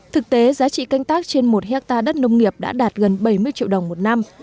thực tế giá trị canh tác trên một hectare đất nông nghiệp đã đạt gần bảy mươi triệu đồng một năm